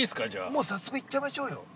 ◆もう早速行っちゃいましょうよ。